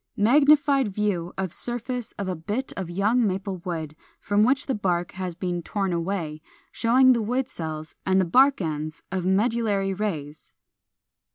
Magnified view of surface of a bit of young Maple wood from which the bark has been torn away, showing the wood cells and the bark ends of medullary rays.